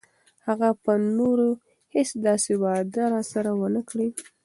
هغه به نوره هیڅ داسې وعده راسره ونه کړي.